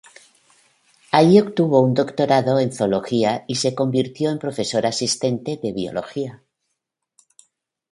Allí obtuvo un doctorado en zoología y se convirtió en profesor asistente de biología.